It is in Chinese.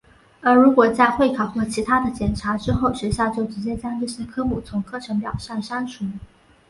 而如果在会考或其它的检查之后学校就直接将这些科目从课程表上删除。